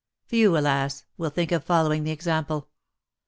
Few, alas ! will think of following the example